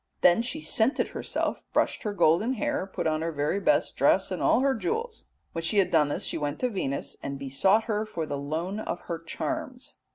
Then she scented herself, brushed her golden hair, put on her very best dress and all her jewels. When she had done this, she went to Venus and besought her for the loan of her charms.